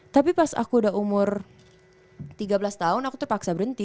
tapi pas aku udah umur tiga belas tahun aku terpaksa berhenti